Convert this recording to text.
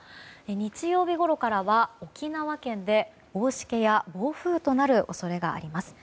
日曜日ごろからは沖縄県で大しけや暴風となる恐れがあります。